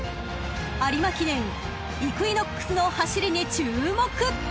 ［有馬記念イクイノックスの走りに注目］